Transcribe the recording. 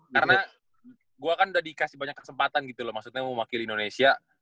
karena gue kan udah dikasih banyak kesempatan gitu loh maksudnya mau memakil indonesia